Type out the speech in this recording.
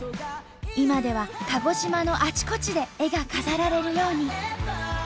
今では鹿児島のあちこちで絵が飾られるように。